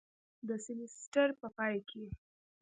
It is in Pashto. د سیمیستر په پای کې